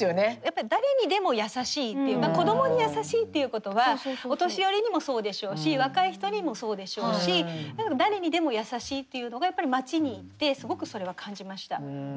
やっぱり誰にでも優しいという子どもに優しいということはお年寄りにもそうでしょうし若い人にもそうでしょうし誰にでも優しいというのが街に行ってすごくそれは感じました。